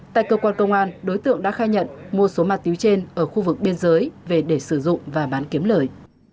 tại cơ quan công an đối tượng đã khai nhận mua số ma túy trên ở khu vực biên giới về để sử dụng và bán kiếm lời